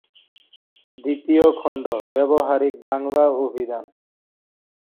দ্বিতীয় খন্ড: ব্যবহারিক বাংলা অভিধান।